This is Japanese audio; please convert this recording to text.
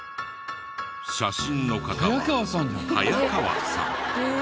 写真の方は早川さん。